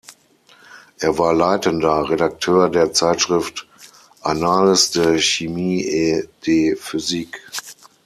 Er war leitender Redakteur der Zeitschrift "Annales de Chimie et de Physique".